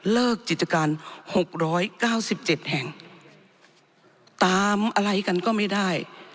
เลิกจิตการหกร้อยเก้าสิบเจ็ดแห่งตามอะไรกันก็ไม่ได้